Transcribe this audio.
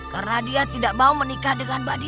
karena dia tidak mau menikah dengan mbak dirol